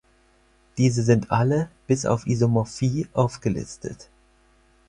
Diese sind alle bis auf Isomorphie aufgelistet.